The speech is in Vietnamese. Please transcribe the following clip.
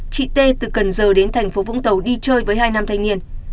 chị t từ cần giờ đến thành phố vũng tàu đi chơi với hai nam thanh niên